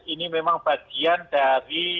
ini memang bagian dari